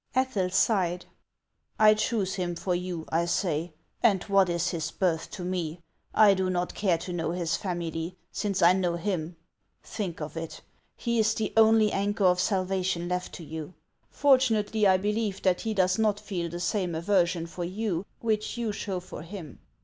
Ethel sighed. " I choose him for you, I say ; and what is his birth to me ? I do not care to know his family, since I know him. Think of it ; he is the only anchor of salvation left to you. Fortunately, I believe that he does not feel the same aver sion for you which you show for him."